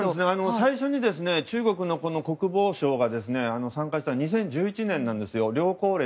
最初に中国の国防相が参加したのは２０１１年です。